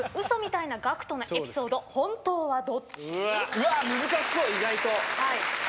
うわ難しそう意外と。